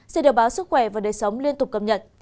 sẽ được báo sức khỏe và đời sống liên tục cập nhật